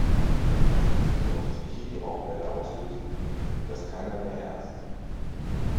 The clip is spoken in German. So oft, wie hier die Rauchmelder auslösen, nimmt das keiner mehr ernst.